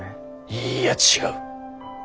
いいや違う。